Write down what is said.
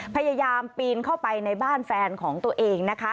พยายามปีนเข้าไปในบ้านแฟนของตัวเองนะคะ